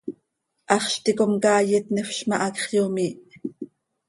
Haxz ticom caay itnifz ma, hacx yomiih.